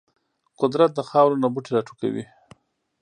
قدرت د خاورو نه بوټي راټوکوي.